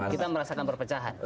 kita merasakan perpecahan